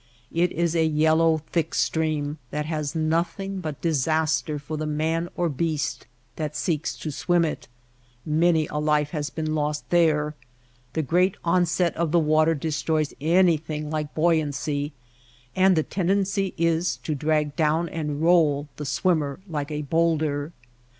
It is a yellow, thick stream that has nothing but disaster for the man or beast that seeks to swim it. Many a life has been lost there. The great onset of the water destroys anything like buoy ancy, and the tendency is to drag down and roll the swimmer like a bowlder.